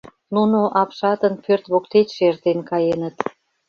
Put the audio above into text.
Нуно апшатын пӧрт воктечше эртен каеныт.